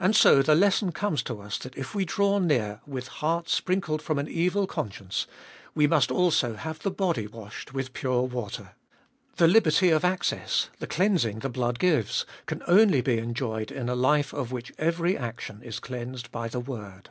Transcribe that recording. And so the lesson comes to us that if we draw near with hearts sprinkled from an evil conscience, we must also have the body washed with pure water. The liberty of access, the cleansing the blood gives, can only be enjoyed in a life of which every action is cleansed by the word.